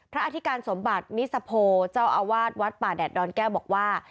อธิการสมบัตินิสโพเจ้าอาวาสวัดป่าแดดอนแก้วบอกว่า